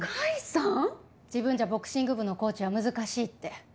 自分じゃボクシング部のコーチは難しいって。